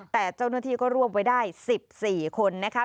แต่เจ้าหน้าที่ก็รวบไว้ได้๑๔คนนะคะ